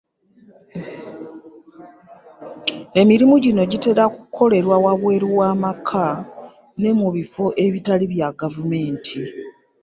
Emirimu gino gitera kukolerwa wabweru w’amaka ne mu bifo ebitali bya gavumenti.